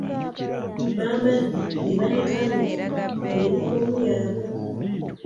Bayambadde ne banekaneka mu yumfoomu yabwe.